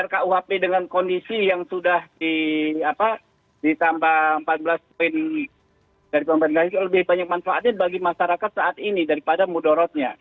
rkuhp dengan kondisi yang sudah ditambah empat belas poin dari pemerintah itu lebih banyak manfaatnya bagi masyarakat saat ini daripada mudorotnya